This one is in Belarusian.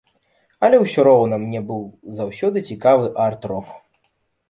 Але ўсё роўна мне быў заўсёды цікавы арт-рок.